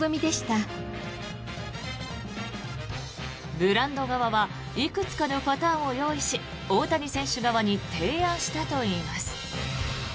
ブランド側はいくつかのパターンを用意し大谷選手側に提案したといいます。